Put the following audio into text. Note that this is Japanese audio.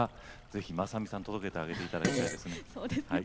ぜひ、まさみさんに届けてあげてほしいです。